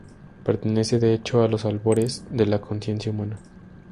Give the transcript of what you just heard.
Pertenece, de hecho, a los albores de la conciencia humana.